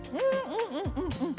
うんうんうんうん。